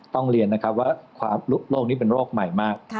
ต้องเรียนนะครับว่าโรคนี้เป็นโรคใหม่มาก